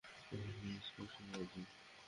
অভিনন্দন, ইন্সপেক্টর অর্জুন।